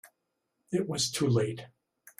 It was too late.